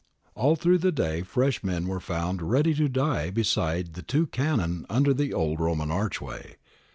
All through the day fresh men were found ready to die beside the two cannon under the old Roman archway.